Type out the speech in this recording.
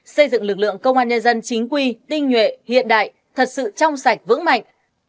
xây dựng lực lượng công an nhân dân chính quy tinh nhuệ hiện đại thật sự trong sạch vững mạnh